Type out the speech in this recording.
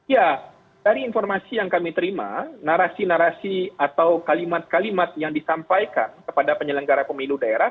ya dari informasi yang kami terima narasi narasi atau kalimat kalimat yang disampaikan kepada penyelenggara pemilu daerah